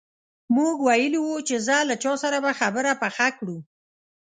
موږ ویلي وو چې ځه له چا سره به خبره پخه کړو.